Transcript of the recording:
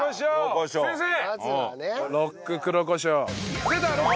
先生！